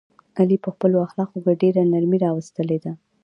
علي په خپلو اخلاقو کې ډېره نرمي راوستلې ده.